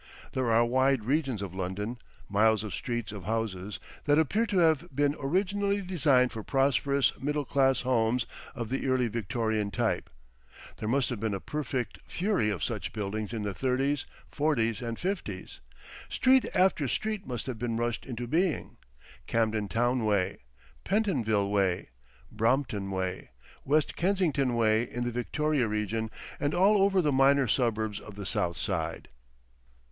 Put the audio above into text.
There are wide regions of London, miles of streets of houses, that appear to have been originally designed for prosperous middle class homes of the early Victorian type. There must have been a perfect fury of such building in the thirties, forties, and fifties. Street after street must have been rushed into being, Campden Town way, Pentonville way, Brompton way, West Kensington way in the Victoria region and all over the minor suburbs of the south side.